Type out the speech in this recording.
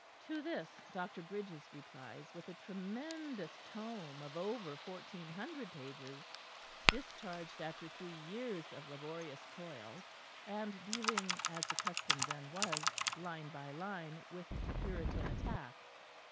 To this Dr. Bridges replies with a tremendous tome of over fourteen hundred pages, discharged after three years of laborious toil; and dealing, as the custom then was, line by line, with the Puritan attack.